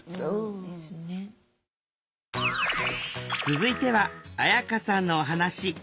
続いては彩夏さんのお話。